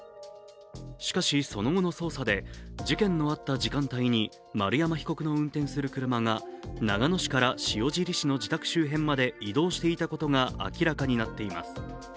しかし、その後の捜査で事件のあった時間帯に丸山被告の運転する車が長野市から塩尻市の自宅周辺まで移動していたことが明らかになっています。